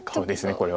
これは。